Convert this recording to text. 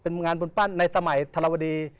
งานผุนปั้นในสมัยธรรมดี